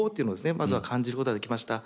まずは感じることができました。